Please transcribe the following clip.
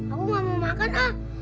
aku gak mau makan ah